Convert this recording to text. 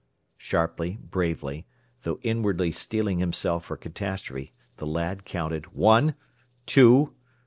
Sharply, bravely, though inwardly steeling himself for catastrophe, the lad counted, "One! Two!